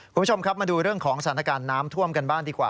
คุณผู้ชมครับมาดูเรื่องของสถานการณ์น้ำท่วมกันบ้างดีกว่า